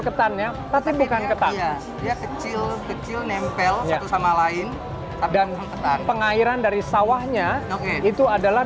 ketannya tapi bukan ketan ya kecil kecil nempel satu sama lain dan pengairan dari sawahnya oke itu adalah